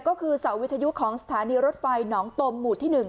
ก็คือเสาวิทยุของสถานีรถไฟหนองตมหมู่ที่๑